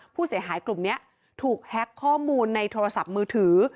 ผู้เสียหายกลุ่มนี้ถูกแฮ็กข้อมูลในโทรศัพท์มือถือ